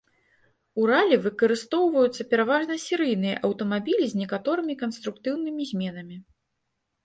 У ралі выкарыстоўваюцца пераважна серыйныя аўтамабілі з некаторымі канструктыўнымі зменамі.